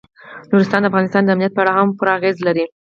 نورستان د افغانستان د امنیت په اړه هم پوره اغېز لري.